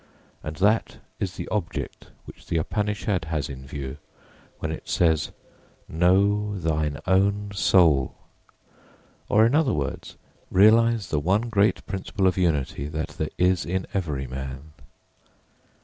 And that is the object which the Upanishad has in view when it says, Know thine own Soul. Or, in other words, realise the one great principal of unity that there is in every man.